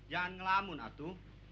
jangan ngelamun atu